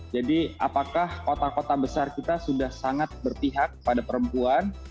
jadi apakah kota kota besar kita sudah sangat berpihak kepada perempuan